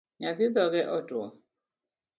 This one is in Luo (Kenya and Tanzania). Nyathi dhoge otwo